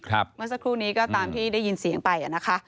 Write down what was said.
เมื่อสักครู่นี้ก็ตามที่ได้ยินเสียงไปนะคะ